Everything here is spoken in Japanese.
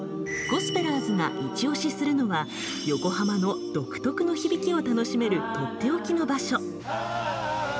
ゴスペラーズがいち押しするのは横浜の独特の響きを楽しめるとっておきの場所。